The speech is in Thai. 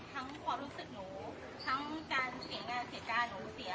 ความรู้สึกหนูทั้งการเสียงานเสียการหนูเสีย